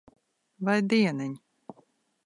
Vai dieniņ.